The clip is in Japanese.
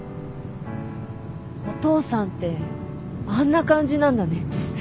お父さんってあんな感じなんだね。